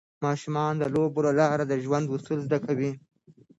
ماشومان د لوبو له لارې د ژوند اصول زده کوي.